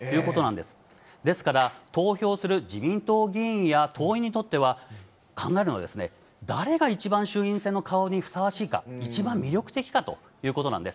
ですから投票する自民党議員や党員にとっては、考えるのは、誰が一番、衆院選の顔にふさわしいか、一番魅力的かということなんです。